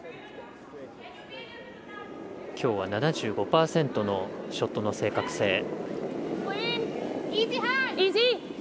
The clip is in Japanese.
きょうは７５％のショットの正確性。